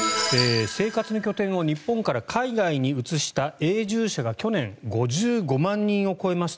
生活の拠点を日本から海外に移した永住者が去年、５５万人を超えました。